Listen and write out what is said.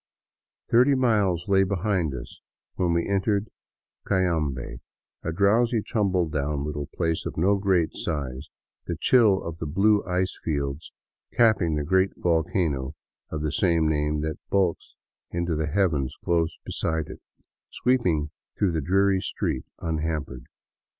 Thirty miles lay behind us when we entered Cayambe, a drowsy, tumble down place of no great size, the chill of the blue ice fields cap ping the great volcano of the same name that bulks into the heavens close beside it, sweeping through the dreary streets unhampered.